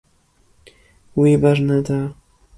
Wî berneda.